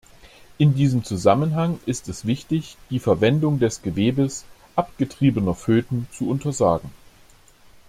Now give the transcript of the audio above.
In diesem Zusammenhang ist es wichtig, die Verwendung des Gewebes abgetriebener Föten zu untersagen.